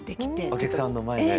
お客さんの前で。